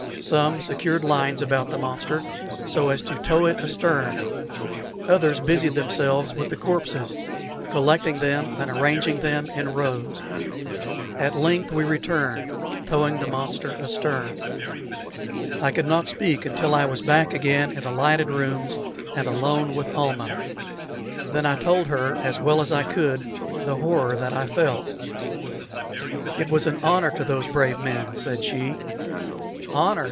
Some secured lines about the monster so as to tow it astern; others busied themselves with the corpses, collecting them and arranging them in rows. At length we returned, towing the monster astern. I could not speak until I was back again in the lighted rooms and alone with Almah; then I told her, as well as I could, the horror that I felt. "It was honor to those brave men," said she. "Honor!"